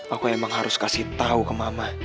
aku emang harus kasih tahu ke mama